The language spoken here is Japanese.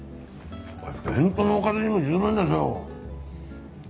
弁当のおかずにも十分でしょ。